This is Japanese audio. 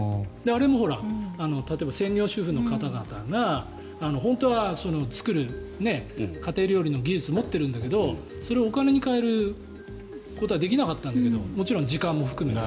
あれも例えば専業主婦の方なんかが本当は作る家庭料理の技術持ってるんだけどそれをお金に換えることができなかったんだけどもちろん時間も含めて。